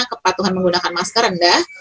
kepatuhan menggunakan masker rendah